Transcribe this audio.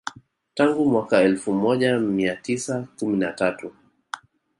Tangu mwaka elfu moja mia tisa kumi na tatu